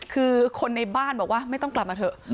คือคนในบ้านบอกว่าไม่ต้องกลับมาเถอะ